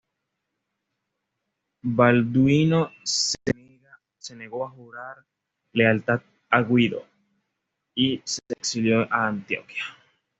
Balduino se negó a jurar lealtad a Guido y se exilió a Antioquía.